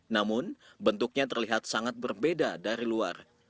namun bentuknya terlihat sangat berbeda dari luar